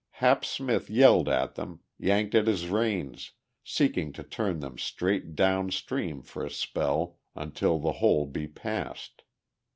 Hap Smith yelled at them, yanked at his reins, seeking to turn them straight down stream for a spell until the hole be passed.